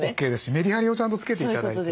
メリハリをちゃんとつけて頂いて。